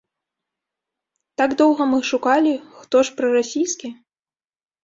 Так доўга мы шукалі, хто ж прарасійскі?